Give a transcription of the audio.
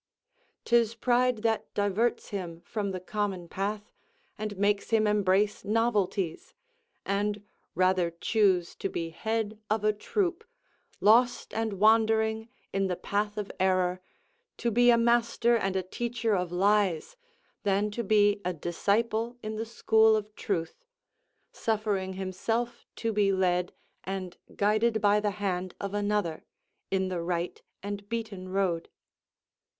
'Tis pride that diverts him from the common path, and makes him embrace novelties, and rather choose to be head of a troop, lost and wandering in the path of error; to be a master and a teacher of lies, than to be a disciple in the school of truth, suffering himself to be led and guided by the hand of another, in the right and beaten road.